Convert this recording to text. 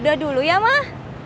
udah dulu ya mbak